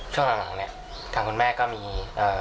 ช่วงหลังเนี่ยทางคุณแม่ก็มีเอ่อ